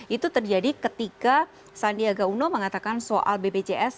itu terjadi ketika sandiaga uno mengatakan soal bpjs